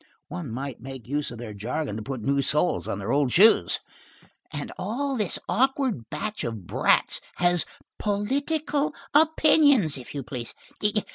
One might make use of their jargon to put new soles on their old shoes. And all this awkward batch of brats has political opinions, if you please.